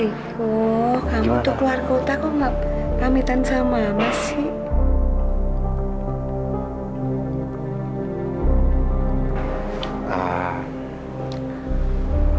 hai riko kamu keluar kota kok ngapain amitan sama masih